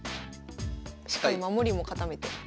しっかり守りも固めて。